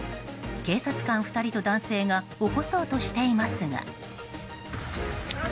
警察官２人と男性が起こそうとしていますが。